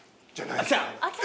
来た。